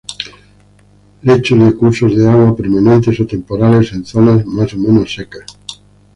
Lechos de cursos de agua permanentes o temporales en zonas más o menos secas.